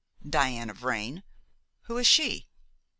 "Diana Vrain! Who is she?"